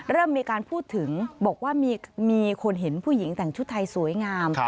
เริ่มมีการพูดถึงบอกว่ามีคนเห็นผู้หญิงแต่งชุดไทยสวยงาม